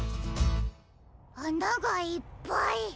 あながいっぱい。